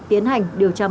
tiến hành điều tra mở rộng